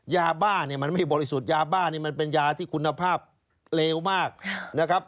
ยาบ้าเนี่ยมันไม่บริสุทธิ์ยาบ้านี่มันเป็นยาที่คุณภาพเลวมากนะครับ